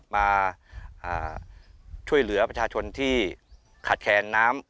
มาช่วยเหลือประชาชนที่ขาดแคลนน้ำ